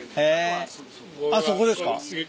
あっそこですか。